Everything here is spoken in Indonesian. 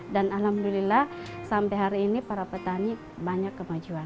dan alhamdulillah sampai hari ini para petani banyak kemajuan